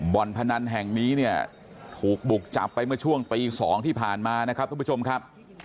บ่อนพนันแห่งนี้เนี่ยถูกบุกจับไปเมื่อช่วงตี๒ที่ผ่านมานะครับทุกผู้ชมครับ